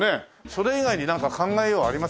それ以外になんか考えようありますかね？